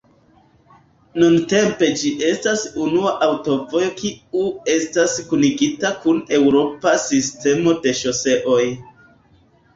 Nuntempe ĝi estas unua aŭtovojo kiu estas kunigita kun eŭropa sistemo de ŝoseoj.